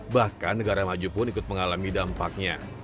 bahkan negara maju pun ikut mengalami dampaknya